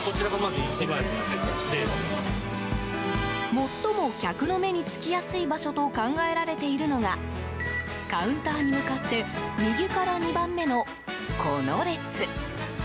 最も客の目につきやすい場所と考えられているのがカウンターに向かって右から２番目のこの列。